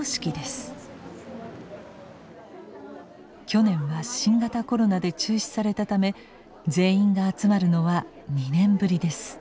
去年は新型コロナで中止されたため全員が集まるのは２年ぶりです。